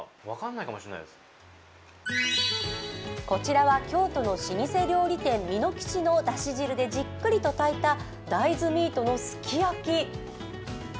こちらは京都の老舗料理店・美濃吉の、だし汁でじっくりと炊いた大豆ミートのすき焼き。